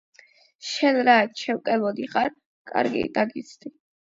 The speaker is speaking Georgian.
შენ რა, ჩემკენ მოდიხარ? კარგი დაგიცდი.